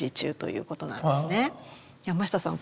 山下さん